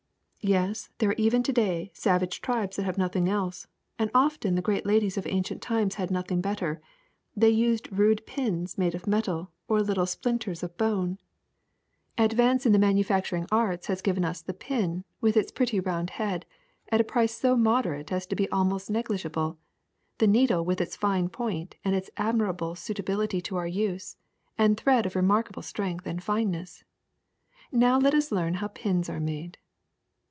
^^ Yet there are even to day savage tribes that have nothing else; and often the great ladies of ancient times had nothing better : they used rude pins made of metal or little splinters of bone. Advance in the PINS 9 manufacturing arts has given us the pin, with its pretty round head, at a price so moderate as to be almost negligible, the needle with its fine point and its admirable suitability to our use, and thread of remarkable strength and fineness. Now let us learn how pins are made.